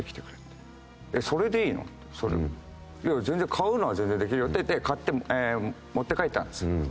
「買うのは全然できるよ」って買って持って帰ったんですよ。